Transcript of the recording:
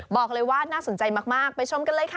บอกเลยว่าน่าสนใจมากไปชมกันเลยค่ะ